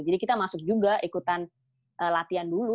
jadi kita masuk juga ikutan latihan dulu